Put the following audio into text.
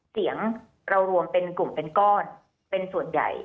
เสียงเรารวมเป็นกลุ่มเป็นก้อนเป็นส่วนใหญ่